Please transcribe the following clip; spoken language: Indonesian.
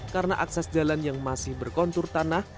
karena akses jalan yang masih berkontur tanah